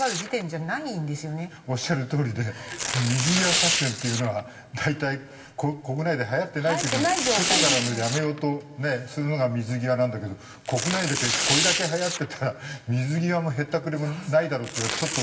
おっしゃるとおりで水際作戦っていうのは大体国内ではやってない時に外からのをやめようとするのが水際なんだけど国内だけでこれだけはやってたら水際もへったくれもないだろうっていうのはちょっと思うよね。